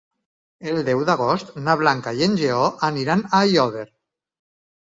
El deu d'agost na Blanca i en Lleó aniran a Aiòder.